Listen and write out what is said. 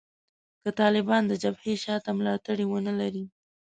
که طالبان د جبهې شا ته ملاتړي ونه لري